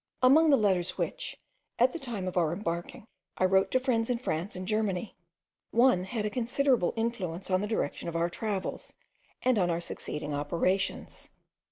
Among the letters which, at the time of our embarking, I wrote to friends in France and Germany, one had a considerable influence on the direction of our travels, and on our succeeding operations.